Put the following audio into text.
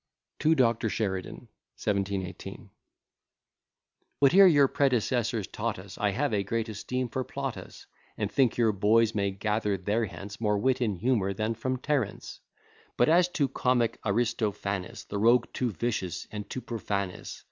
TO DR. SHERIDAN. 1718 Whate'er your predecessors taught us, I have a great esteem for Plautus; And think your boys may gather there hence More wit and humour than from Terence; But as to comic Aristophanes, The rogue too vicious and too profane is.